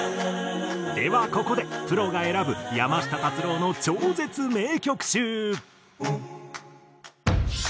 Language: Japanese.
ではここでプロが選ぶ山下達郎の超絶名曲集。